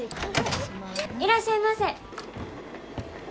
いらっしゃいませ。